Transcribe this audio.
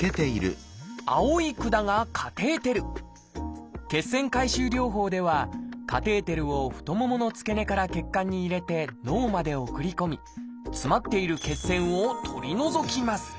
青い管が血栓回収療法ではカテーテルを太ももの付け根から血管に入れて脳まで送り込み詰まっている血栓を取り除きます。